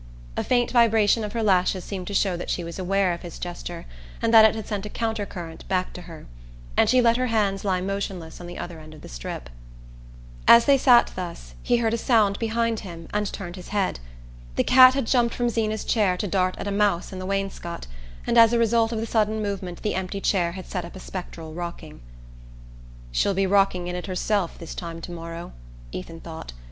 A faint vibration of her lashes seemed to show that she was aware of his gesture, and that it had sent a counter current back to her; and she let her hands lie motionless on the other end of the strip. As they sat thus he heard a sound behind him and turned his head. The cat had jumped from Zeena's chair to dart at a mouse in the wainscot, and as a result of the sudden movement the empty chair had set up a spectral rocking. "She'll be rocking in it herself this time to morrow," Ethan thought.